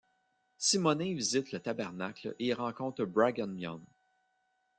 Simonin y visite le Tabernacle et y rencontre Brigham Young.